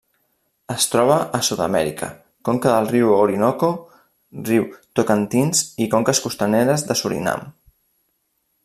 Es troba a Sud-amèrica: conca del riu Orinoco, riu Tocantins i conques costaneres de Surinam.